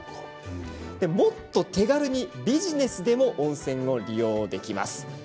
もっと手軽にビジネスでも温泉を利用できます。